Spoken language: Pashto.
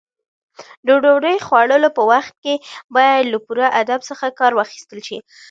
د ډوډۍ خوړلو په وخت کې باید له پوره ادب څخه کار واخیستل شي.